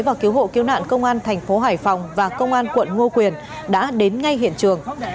và cứu hộ cứu nạn công an thành phố hải phòng